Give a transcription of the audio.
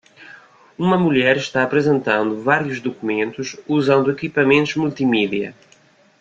Uma mulher está apresentando vários documentos usando equipamentos multimídia.